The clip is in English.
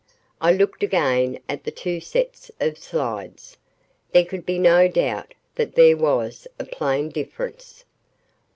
I looked again at the two sets of slides. There could be no doubt that there was a plain difference.